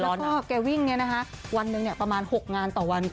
แล้ววิ่งนี่นะครับวันนึงประมาณ๖งานต่อวัน